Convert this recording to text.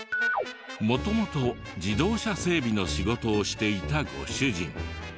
元々自動車整備の仕事をしていたご主人。